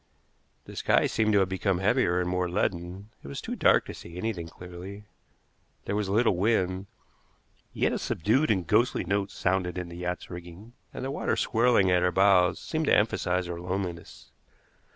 The sky seemed to have become heavier and more leaden; it was too dark to see anything clearly. There was little wind, yet a subdued and ghostly note sounded in the yacht's rigging, and the water swirling at her bows seemed to emphasize her loneliness.